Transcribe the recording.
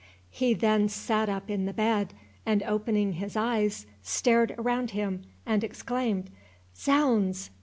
—He then sate up in the bed, and opening his eyes, stared around him, and exclaimed, "Zounds!